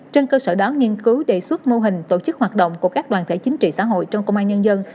trên cơ sở đó nghiên cứu đề xuất mô hình tổ chức hoạt động của các đoàn thể chính trị xã hội trong công an nhân dân